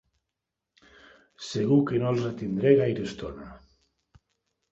Segur que no els retindré gaire estona.